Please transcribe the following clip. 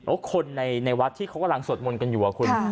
คนในวัดที่เขากำลังสวดมนต์กันอยู่อะคุณ